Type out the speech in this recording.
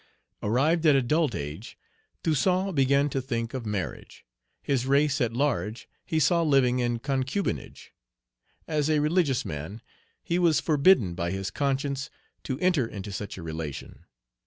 Arrived at adult age, Toussaint began to think of marriage. His race at large he saw living in concubinage. As a religious man, he was forbidden by his conscience to enter into such a relation.